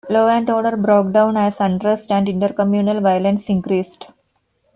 Law and order broke down as unrest and inter-communal violence increased.